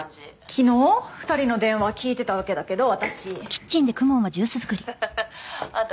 昨日２人の電話聞いてたわけだけど私ははははっあんた